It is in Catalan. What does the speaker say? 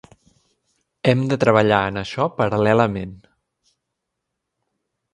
Hem de treballar en això paral·lelament.